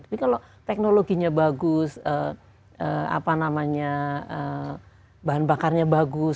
tapi kalau teknologinya bagus apa namanya bahan bakarnya bagus